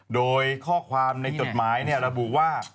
โดยข้อความในจดหมายระบุว่า